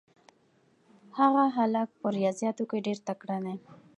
هغه هلک په ریاضیاتو کې ډېر تکړه دی.